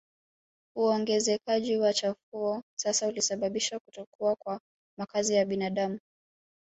Uongezekaji wa chafuo sasa ulisababisha kutokuwa kwa makazi ya binadamu